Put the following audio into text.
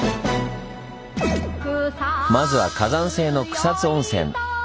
まずは火山性の草津温泉。